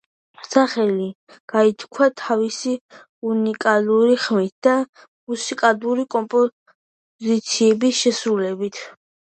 სახელი გაითქვა თავისი უნიკალური ხმითა და მუსიკალური კომპოზიციების შესრულებით.